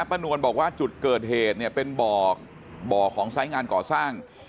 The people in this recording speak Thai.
ป้านวรบอกว่าจุดเกิดเหตุเป็นบ่อของทรายงานก่อสร้าง